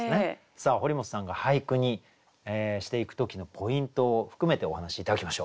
さあ堀本さんが俳句にしていく時のポイントを含めてお話し頂きましょう。